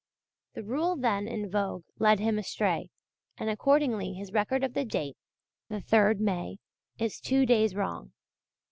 The rule then in vogue led him astray, and accordingly his record of the date the 3rd May is two days wrong.